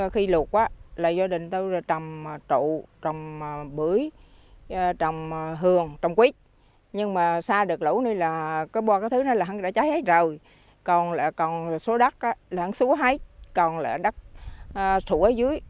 khi lụt gia đình tôi trồng trụ trồng bưởi trồng hương trồng quýt nhưng mà xa được lũ như là có bò cái thứ đó là đã cháy hết rồi còn lại còn số đất là hẳn xuống hết còn lại đất sủi dưới